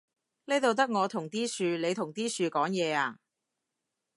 呢度得我同啲樹，你同啲樹講嘢呀？